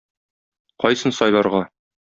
Кайсын сайларга?